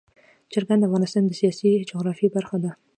چرګان د افغانستان د سیاسي جغرافیه برخه ده.